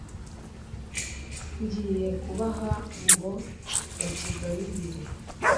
ngiye kubaha ngo bacyigarurire